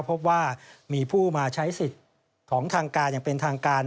พบว่ามีผู้มาใช้สิทธิ์ของทางการอย่างเป็นทางการ